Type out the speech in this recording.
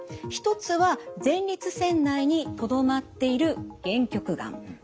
１つは前立腺内にとどまっている限局がん。